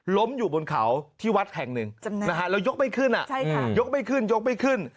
ล้มอยู่บนเขาที่วัดแห่งหนึ่งแล้วยกไม่ขึ้นยกไม่ขึ้นยกไม่ขึ้น